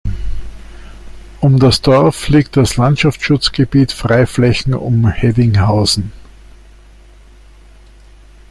Um das Dorf liegt das Landschaftsschutzgebiet Freiflächen um Heddinghausen.